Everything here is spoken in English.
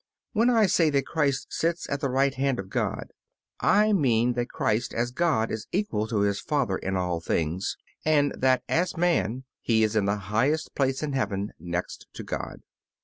When I say that Christ sits at the right hand of God I mean that Christ as God is equal to His Father in all things, and that as man He is in the highest place in heaven next to God.